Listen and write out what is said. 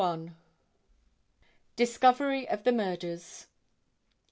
Discovery of the Murders.